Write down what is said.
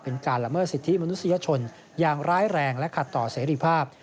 เป็นการละเมิดสิทธิมนุษยชนอย่างร้ายแรงและขัดต่อเสรีภาพ